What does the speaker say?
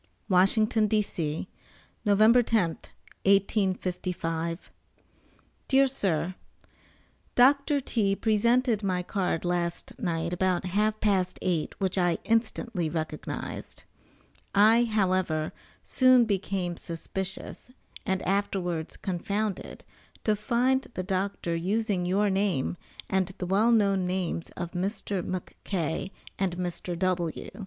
WASHINGTON, D.C., November 10th, 1855. DEAR SIR: Doctor T. presented my card last night about half past eight which I instantly recognized. I, however, soon became suspicious, and afterwards confounded, to find the doctor using your name and the well known names of Mr. McK. and Mr. W.